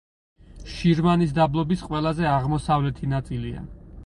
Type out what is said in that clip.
შირვანის დაბლობის ყველაზე აღმოსავლეთი ნაწილია.